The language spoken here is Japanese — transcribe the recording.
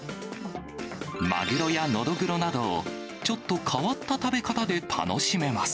マグロやノドグロなどを、ちょっと変わった食べ方で楽しめます。